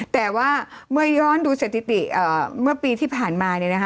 แต่ว่าเมื่อย้อนดูสถิติเมื่อปีที่ผ่านมา